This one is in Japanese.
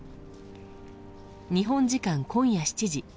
日本時間今夜７時